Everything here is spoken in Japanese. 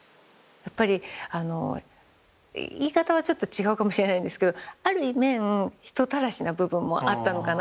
やっぱり言い方はちょっと違うかもしれないんですけどある面人たらしな部分もあったのかな。